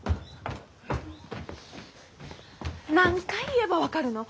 何回言えば分かるの？